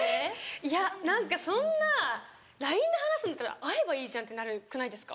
いや何かそんなＬＩＮＥで話すんだったら会えばいいじゃんってなるくないですか？